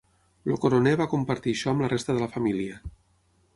El coroner va compartir això amb la resta de la família.